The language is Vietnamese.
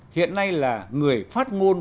hiện nay là người phát ngôn